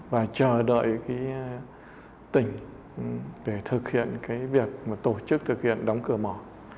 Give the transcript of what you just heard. và chờ đợi tỉnh để thực hiện việc tổ chức thực hiện đóng cửa mỏ